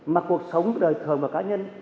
mà cuộc sống đời thường và cá nhân